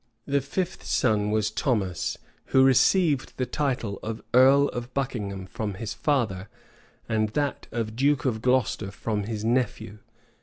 The fifth son was Thomas, who received the title of earl of Buckingham from his father, and that of duke of Glocester from his nephew.